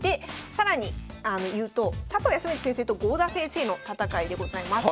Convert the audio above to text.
更に言うと佐藤康光先生と郷田先生の戦いでございます。